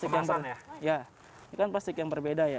ini kan plastik yang berbeda ya